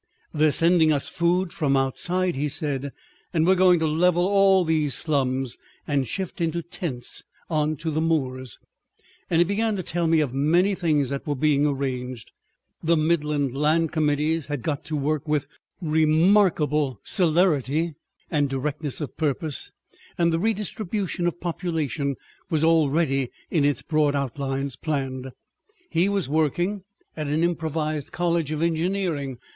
"They're sending us food from outside," he said, "and we're going to level all these slums—and shift into tents on to the moors;" and he began to tell me of many things that were being arranged, the Midland land committees had got to work with remarkable celerity and directness of purpose, and the redistribution of population was already in its broad outlines planned. He was working at an improvised college of engineering.